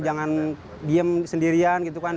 jangan diem sendirian gitu kan